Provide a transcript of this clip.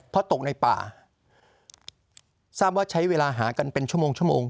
เพราะตกในป่าทราบว่าใช้เวลาหากันเป็นชั่วโมงชั่วโมง